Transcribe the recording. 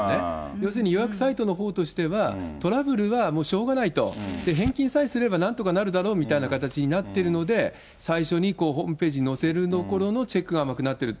要するに予約サイトのほうからしたら、トラブルはもうしょうがないと、返金さえすれば、なんとかなるだろうという形になっているので、最初にホームページに載せるところのチェックが甘くなってる。